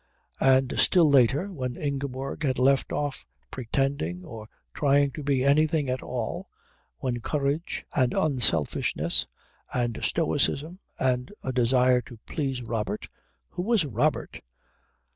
And still later, when Ingeborg had left off pretending or trying to be anything at all, when courage and unselfishness and stoicism and a desire to please Robert who was Robert?